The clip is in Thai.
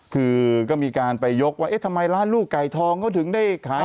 คือก็มีการไปยกว่าเอ๊ะทำไมร้านลูกไก่ทองเขาถึงได้ขาย